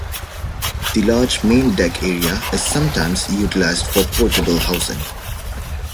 The large main deck area is sometimes utilized for portable housing.